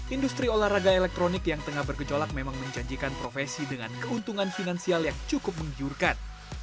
industri olahraga elektronik yang tengah bergejolak memang menjanjikan profesi dengan keuntungan finansial yang cukup menggiurkan